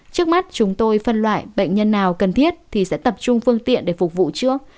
trước mắt chúng tôi phân loại bệnh nhân nào cần thiết thì sẽ tập trung phương tiện để phục vụ trước